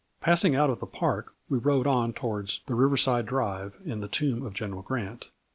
Passing out of the Park we rode on towards the River side Drive and the tomb of General Grant.